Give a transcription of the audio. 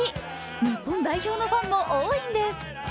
日本代表のファンも多いんです。